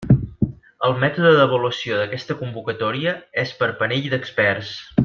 El mètode d'avaluació d'aquesta convocatòria és per panell d'experts.